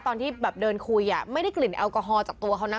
ตอนที่แบบเดินคุยไม่ได้กลิ่นแอลกอฮอลจากตัวเขานะ